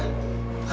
karena menurut gue